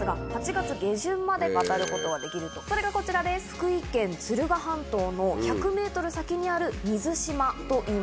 福井県敦賀半島の１００ｍ先にある水島といいます。